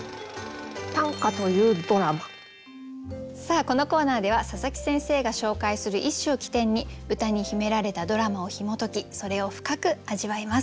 さあこのコーナーでは佐佐木先生が紹介する一首を起点に歌に秘められたドラマをひも解きそれを深く味わいます。